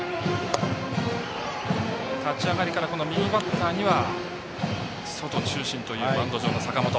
立ち上がりから右バッターには外中心というマウンド上の坂本。